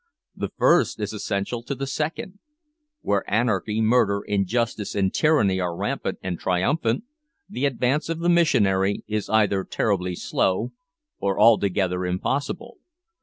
The first is essential to the second. Where anarchy, murder, injustice, and tyranny are rampant and triumphant, the advance of the missionary is either terribly slow or altogether impossible.